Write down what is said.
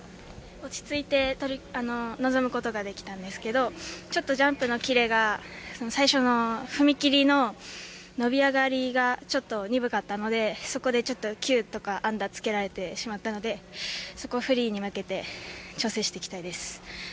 落ち着いて臨む事ができたんですけどちょっとジャンプのキレが最初の踏み切りの伸び上がりがちょっと鈍かったのでそこでちょっとｑとかアンダーつけられてしまったのでそこをフリーに向けて調整していきたいです。